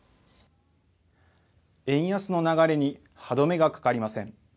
円安の流れに歯止めがかかりません。